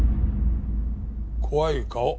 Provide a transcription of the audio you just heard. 怖い顔。